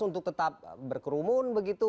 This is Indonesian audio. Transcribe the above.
untuk tetap berkerumun begitu